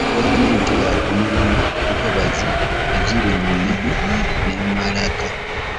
Gavumenti yaakununula ntobazi eziri mu Nebbi ne Maracha.